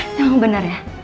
emang bener ya